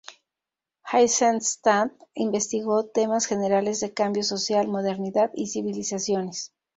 Eisenstadt investigó temas generales de cambio social, modernidad y civilizaciones.